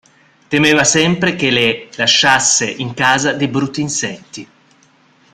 Temeva sempre che le lasciasse in casa dei brutti insetti.